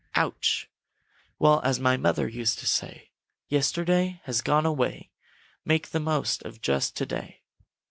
Ouch! Well, as my mother used to say: 'Yesterday has gone away; Make the most of just to day.'